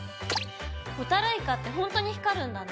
ホタルイカってほんとに光るんだね。